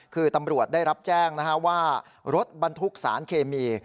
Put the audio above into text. คือตำรวจได้รับแจ้งว่ารถบรรทุกสารเคมี